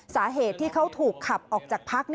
สาเหตุที่เขาถูกขับออกจากพัก